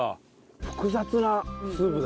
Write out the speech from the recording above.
複雑なスープだね。